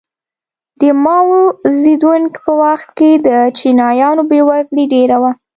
د ماوو زیدونګ په وخت کې د چینایانو بېوزلي ډېره وه.